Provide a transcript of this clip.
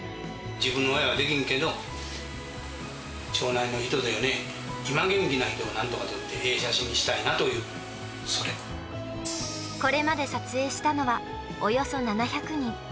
自分の親はできんけど、町内の人で今、元気な人をなんとか撮って、ええ写真にしたいなという、これまで撮影したのは、およそ７００人。